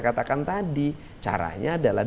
katakan tadi caranya adalah